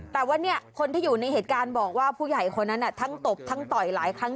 แต่ว่าเนี่ยคนที่อยู่ในเหตุการณ์บอกว่าผู้ใหญ่คนนั้นทั้งตบทั้งต่อยหลายครั้ง